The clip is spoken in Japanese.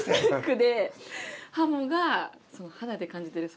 鱧が肌で感じてる